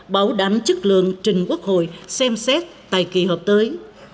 bảo đảm chất lượng trình quốc hội xem xét tại kỳ họp tới